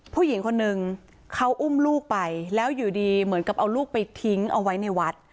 ผู้หญิงคนนึงเขาอุ้มลูกไปแล้วอยู่ดีเหมือนกับเอาลูกไปทิ้งเอาไว้ในวัด